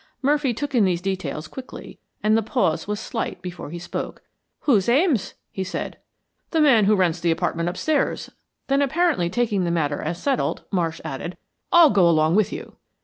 Murphy took in these details quickly, and the pause was slight before he spoke. "Who's Ames?" he said. "The man who rents the apartment upstairs." Then apparently taking the matter as settled, Marsh added, "I'll go along with you."